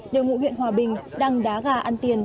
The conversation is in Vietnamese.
đều ngụ huyện hòa bình đăng đá gà ăn tiền